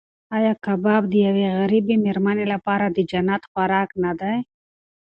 ایا کباب د یوې غریبې مېرمنې لپاره د جنت خوراک نه دی؟